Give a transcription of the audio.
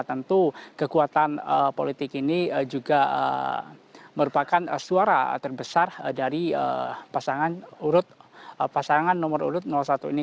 tentu kekuatan politik ini juga merupakan suara terbesar dari pasangan nomor urut satu ini